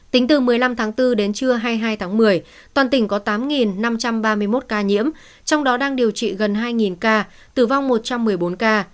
tính từ một mươi năm tháng bốn đến trưa hai mươi hai tháng một mươi toàn tỉnh có tám năm trăm ba mươi một ca nhiễm trong đó đang điều trị gần hai ca tử vong một trăm một mươi bốn ca